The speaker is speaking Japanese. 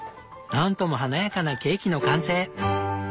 何とも華やかなケーキの完成！